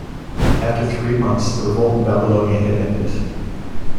After three months the revolt in Babylonia had ended.